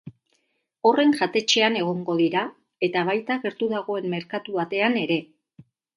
Horren jatetxean egongo dira, eta baita gertu dagoen merkatu batean ere.